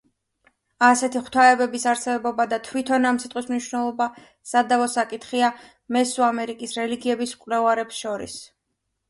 ასეთი ღვთაებების არსებობა და თვითონ ამ სიტყვის მნიშვნელობა სადავო საკითხია მესოამერიკის რელიგიების მკვლევარებს შორის.